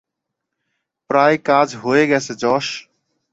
প্রায় কাজ হয়ে গেছে, জশ!